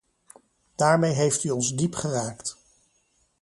Daarmee heeft u ons diep geraakt.